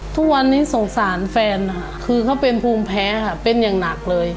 ทุกวันนี้สงสารแฟนค่ะคือเขาเป็นภูมิแพ้ค่ะเป็นอย่างหนักเลย